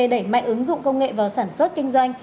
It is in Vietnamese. đẩy mạnh ứng dụng công nghệ vào sản xuất kinh doanh